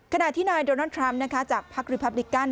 ขณะที่นายโดนัลดทรัมป์จากพักริพับดิกัน